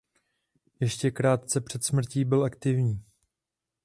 Ještě krátce před smrtí byl aktivní.